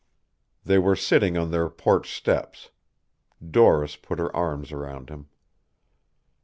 They were sitting on their porch steps. Doris put her arms around him.